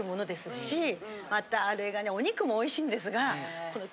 またあれがねお肉もおいしいんですがこの。